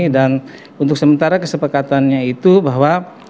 dan untuk sementara kesepakatannya itu bahwa